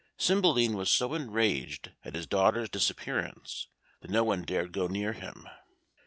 Cymbeline was so enraged at his daughter's disappearance that no one dared go near him.